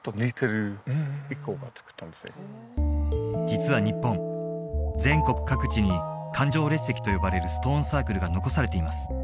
実は日本全国各地に環状列石と呼ばれるストーンサークルが残されています